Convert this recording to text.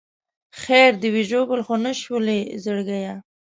خیر دې وي ژوبل خو نه شولې زړګیه.